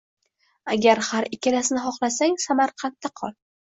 Agar har ikkalasini xohlasang, Samarqandda qol”.